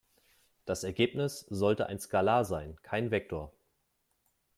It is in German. Das Ergebnis sollte ein Skalar sein, kein Vektor.